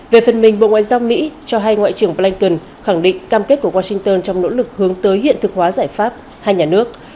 về phần mình bộ ngoại giao mỹ cho hay ngoại trưởng blinken khẳng định cam kết của washington trong nỗ lực hướng tới hiện thực hóa giải pháp hai nhà nước